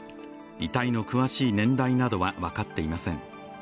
遺体の詳しい年代などは分かっていません。